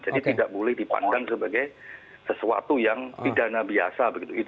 jadi tidak boleh dipandang sebagai sesuatu yang pidana biasa